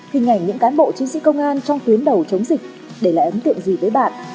hình ảnh những cán bộ chiến sĩ công an trong tuyến đầu chống dịch để lại ấn tượng gì với bạn